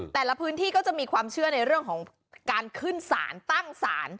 แต่ละพื้นที่ก็จะมีความเชื่อในเรื่องของการขึ้นศาลตั้งศาล